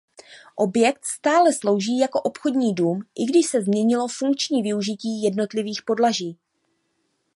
Objekt stále slouží jako obchodní dům i když se změnilo funkční využití jednotlivých podlaží.